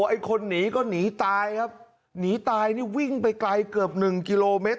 ไอ้คนหนีก็หนีตายครับหนีตายนี่วิ่งไปไกลเกือบหนึ่งกิโลเมตร